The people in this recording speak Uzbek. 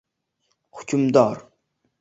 Hukmdor: